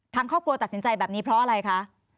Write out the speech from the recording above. ทางครอบครัวตัดสินใจแบบนี้เพราะอะไรคะ